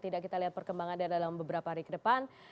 tidak kita lihat perkembangannya dalam beberapa hari ke depan